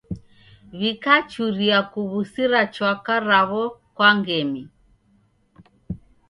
W'ikachuria kuw'usira chwaka raw'o kwa ngemi.